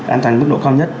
an toàn mức độ cao nhất